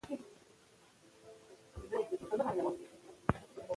د ښځینه تعلیم وده د سیمه ایزې پرمختیا د دوام لپاره اړینه ده.